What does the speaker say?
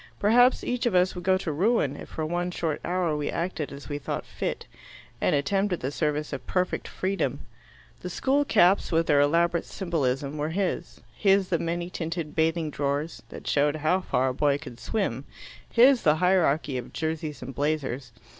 Perhaps each of us would go to ruin if for one short hour we acted as we thought fit, and attempted the service of perfect freedom. The school caps, with their elaborate symbolism, were his; his the many tinted bathing drawers, that showed how far a boy could swim; his the hierarchy of jerseys and blazers.